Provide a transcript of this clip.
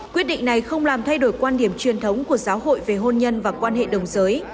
quyết định này không làm thay đổi quan điểm truyền thống của giáo hội về hôn nhân và quan hệ đồng giới